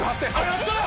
やった！